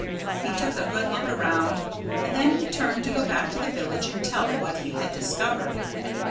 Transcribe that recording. He took a good look around. And then he turned to go back to the village and tell what he had discovered.